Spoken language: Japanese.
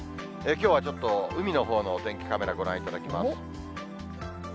きょうはちょっと海のほうのお天気カメラご覧いただきます。